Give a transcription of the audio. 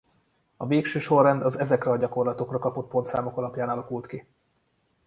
A végső sorrend az ezekre a gyakorlatokra kapott pontszámok alapján alakult ki.